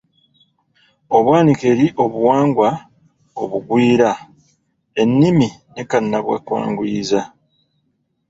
Obwanike eri obuwangwa obugwira, ennimi ne kannabwanguyiza